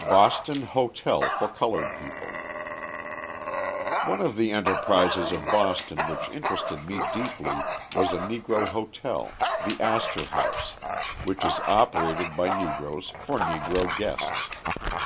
Boston Hotel for Coloured People One of the enterprises of Boston which interested me deeply was a Negro hotel, the Astor House, which is operated by Negroes for Negro guests.